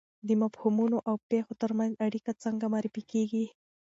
د مفهومونو او پېښو ترمنځ اړیکه څنګه معرفي کیږي؟